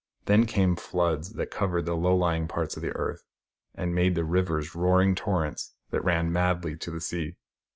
Then came floods, that covered the low lying parts of the earth, and made of the rivers roaring torrents, that ran madly to the sea.